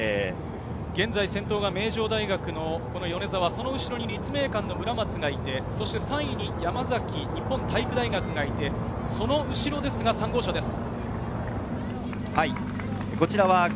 現在、先頭が名城大学の米澤、その後ろに立命館の村松がいて、３位に山崎・日本体育大学がいて、その後ろですが、３号車です。